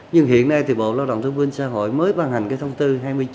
nhưng hiện nay thì bộ lao động thương binh xã hội mới ban hành cái thông tư hai mươi chín